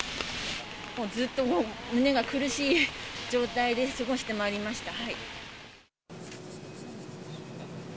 もうずっと胸が苦しい状態で過ごしてまいりました。